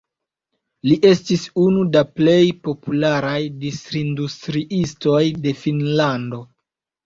Li estis unu da plej popularaj distrindustriistoj de Finnlando.